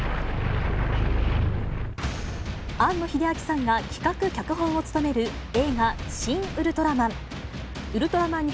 庵野秀明さんが企画・脚本を務める映画、シン・ウルトラマン。